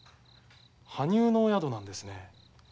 「埴生の宿」なんですね。